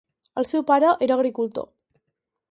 El seu pare era agricultor.